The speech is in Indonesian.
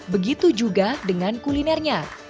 begitu juga dengan kulinernya